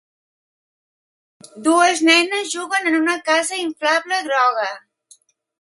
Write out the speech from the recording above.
Dues nenes juguen en una casa inflable groga.